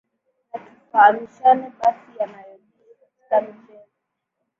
na tufahamishane basi yanayojiri katika michezo